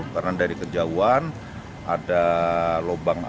karena dari kejauhan ada lubang air